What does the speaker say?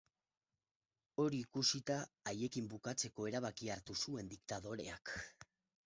Hori ikusita haiekin bukatzeko erabakia hartu zuen diktadoreak.